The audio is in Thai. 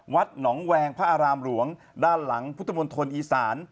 วัดหนองแวงพระอารามหลวงด้านหลังพุทธมณฑลอีสาน